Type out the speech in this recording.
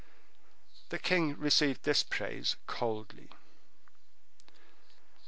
The king received this praise coldly.